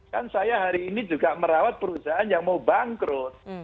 kan saya hari ini juga merawat perusahaan yang mau bangkrut